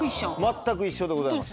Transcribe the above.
全く一緒でございます。